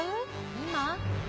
今？